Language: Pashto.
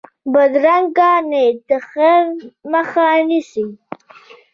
بدرنګه نیت د خیر مخه نیسي